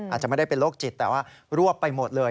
อาจจะไม่ได้เป็นโรคจิตแต่ว่ารวบไปหมดเลย